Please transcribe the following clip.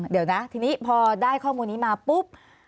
เดี๋ยวนะทีนี้พอได้ข้อมูลนี้มาปุ๊บ